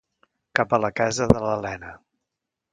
Cap a la casa de l'Elena.